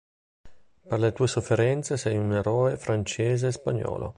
Per le tue sofferenze sei un eroe francese e spagnolo”.